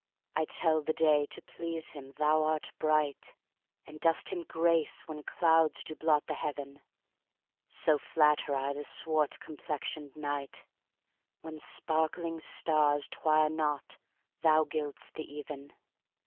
I tell the day, to please him thou art bright, And dost him grace when clouds do blot the heaven: So flatter I the swart complexion'd night, When sparkling stars twire not thou gild'st the even.